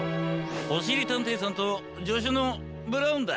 おしりたんていさんとじょしゅのブラウンだ。